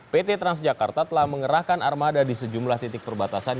pt transjakarta telah mengerahkan armada di sejumlah titik perbatasan